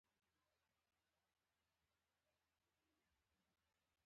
هغه د کندهار په لور شاتګ ته اړ شو او ناکام شو.